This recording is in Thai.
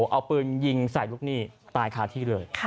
เอาปืนยิงใส่ลูกหนี้ตายคาที่เลย